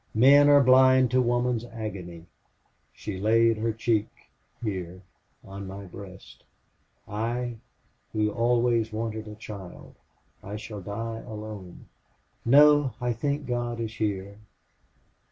Men are blind to woman's agony. She laid her cheek here on my breast. I who always wanted a child. I shall die alone. No I think God is here.